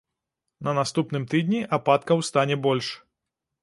На наступным тыдні ападкаў стане больш.